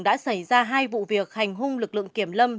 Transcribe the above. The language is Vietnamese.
đã xảy ra hai vụ việc hành hung lực lượng kiểm lâm